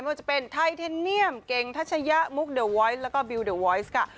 ไม่ว่าจะเป็นไทเทเนียมเกงทัชยะมุกเดอะวอยส์แล้วก็บิลด์เดอะวอยส์ค่ะ